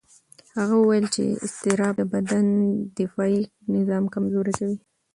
هغه وویل چې اضطراب د بدن دفاعي نظام کمزوري کوي.